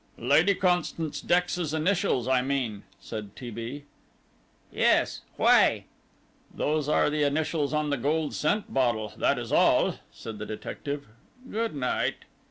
"Lady Constance Dex's initials, I mean," said T. B. "Yes why?" "Those are the initials on the gold scent bottle, that is all," said the detective. "Good night."